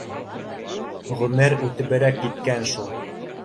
— Ғүмер үтеберәк киткән шул